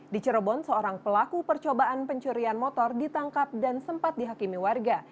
di cirebon seorang pelaku percobaan pencurian motor ditangkap dan sempat dihakimi warga